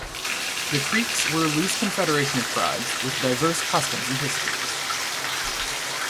The Creeks were a loose confederation of tribes with diverse customs and histories.